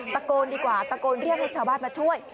ตะโกนดีกว่าตะโกนเรียกให้ชาวบ้านมาช่วย